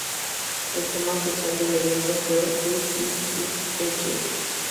El tema oficial del evento fue ""Rip It Up"" de Jet.